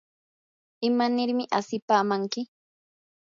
¿imanirmi asipamanki?